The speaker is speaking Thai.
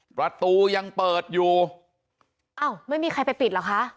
ประตูยังเปิดอยู่อ้าวไม่มีใครไปปิดเหรอคะ